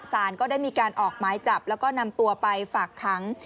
สารก็ได้มีการออกหมายจับแล้วก็นำตัวไปฝากขัง